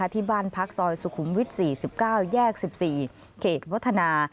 ที่บ้านพักซอยสุขุมวิท๔๙แยก๑๔เขตวัฒนา